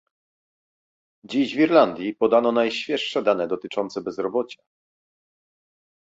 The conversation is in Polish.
Dziś w Irlandii podano najświeższe dane dotyczące bezrobocia